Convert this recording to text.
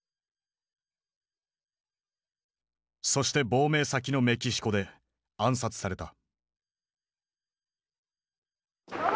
そして亡命先のメキシコで暗殺された。